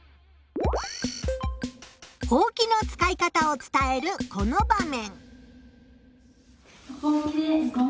ほうきの使い方を伝えるこの場面。